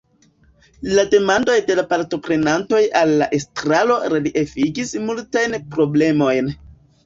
La demandoj de la partoprenantoj al la estraro reliefigis multajn problemojn.